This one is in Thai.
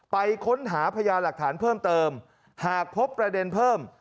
ไปค้นหาพญาหลักฐานเพิ่มเติมหากพบประเด็นเพิ่ม